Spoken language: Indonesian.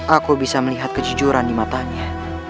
aku bisa melihat kejujuran di matanya